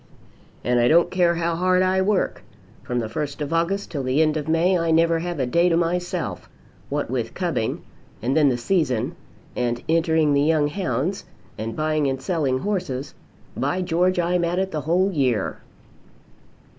"And I don't care how hard I work. From the first of August till the end of May I never have a day to myself, what with cubbing and then the season, and entering the young hounds, and buying and selling horses, by George I'm at it the whole year!"